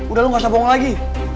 udah lu gak usah bohong lagi